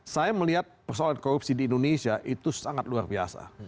saya melihat persoalan korupsi di indonesia itu sangat luar biasa